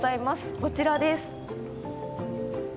こちらです。